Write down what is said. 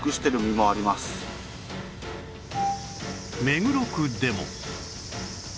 目黒区でも